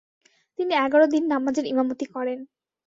তিনি এগারো দিন নামাজের ইমামতি করেন।